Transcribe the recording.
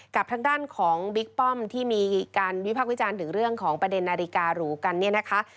กับทางด้านของบิ๊กป้อมที่มีการวิพักษ์วิจารณ์ถึงเรื่องของประเด็นนาฬิการูกันเนี่ยนะคะ